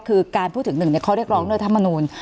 คือการพูดถึงหนึ่งในข้อเรียกร้องด้วยธรรมนูล